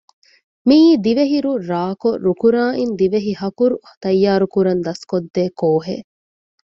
މިއީ ދިވެހި ރުއް ރާކޮށް ރުކުރާއިން ދިވެހިހަކުރު ތައްޔާރުކުރަން ދަސްކޮށްދޭ ކޯހެއް